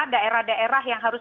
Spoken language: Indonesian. daerah daerah yang harus